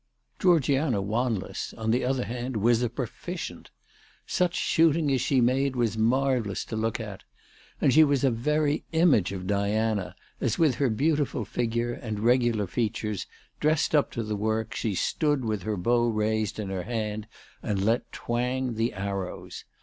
Georgiana "Wanless, on the other hand, was a proficient. Such shooting as she made was marvellous to look at. And .she was a very image of Diana, as with her beautiful figure and regular features, dressed up to the work, she stood with her bow raised in her hand and let twang the arrows.